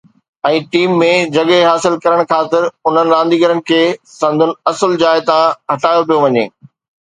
۽ Team ۾ جڳهه حاصل ڪرڻ خاطر انهن رانديگرن کي سندن اصل جاءِ تان هٽايو پيو وڃي.